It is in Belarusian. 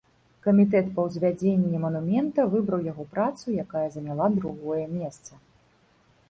Камітэт па ўзвядзенні манумента выбраў яго працу, якая заняла другое месца.